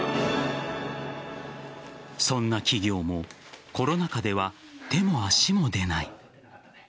そんな企業もコロナ禍では手も足も出ない。